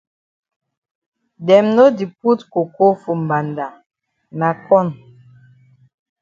Dem no di put coco for mbanda na corn.